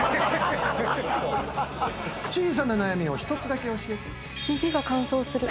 小さな悩みを１つだけ教えて。